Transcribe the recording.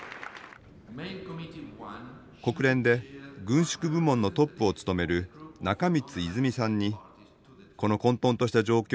国連で軍縮部門のトップを務める中満泉さんにこの混とんとした状況をどう見ているか聞きました。